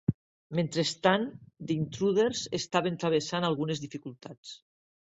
Mentrestant, The Intruders estaven travessant algunes dificultats.